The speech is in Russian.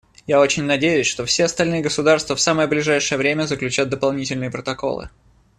Я очень надеюсь, что все остальные государства в самое ближайшее время заключат дополнительные протоколы.